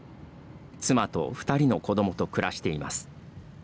妻と２人の子どもと暮らしています。